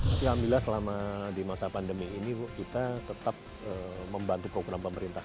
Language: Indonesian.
alhamdulillah selama di masa pandemi ini bu kita tetap membantu program pemerintah